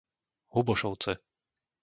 Hubošovce